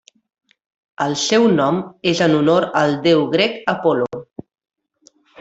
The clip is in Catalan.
El seu nom és en honor al déu grec Apol·lo.